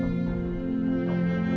aku mau masuk kamar ya